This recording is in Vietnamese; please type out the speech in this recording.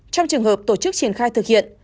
trong trường hợp tổ chức triển khai thực hiện